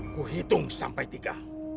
kuhitung sampai tiga